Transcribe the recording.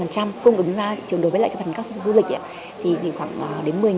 cung ứng ra đối với các doanh nghiệp du lịch thì khoảng đến một mươi vé